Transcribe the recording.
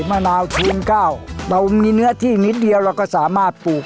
มะนาวชูนเก้าเรามีเนื้อที่นิดเดียวเราก็สามารถปลูก